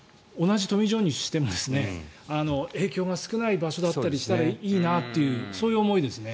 同じトミー・ジョンにしても影響が少ない場所だったりしたらいいなというそういう思いですね。